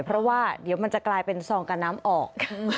เพราะว่าเดี๋ยวมันจะกลายเป็นซองกับน้ำออก